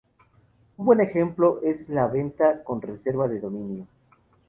Un buen ejemplo es la venta con reserva de dominio.